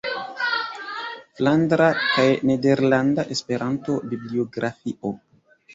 Flandra kaj Nederlanda Esperanto-Bibliografio.